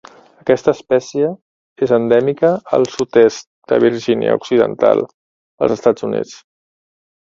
Aquesta espècie és endèmica al sud-est de Virgínia Occidental als Estats Units.